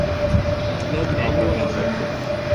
لَا بِالْعِلْمِ وَالْعَقْلِ